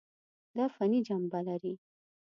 دا فني جنبه لري.